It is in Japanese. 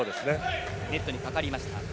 ネットにかかりました。